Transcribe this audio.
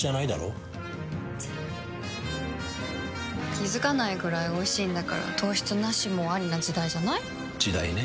気付かないくらいおいしいんだから糖質ナシもアリな時代じゃない？時代ね。